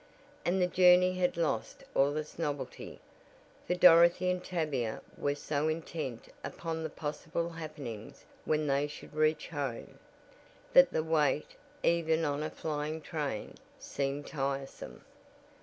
And the journey had lost all its novelty, for Dorothy and Tavia were so intent upon the possible happenings when they should reach home, that the wait, even on a flying train, seemed tiresome.